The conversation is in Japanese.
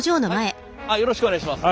はいあっよろしくお願いします。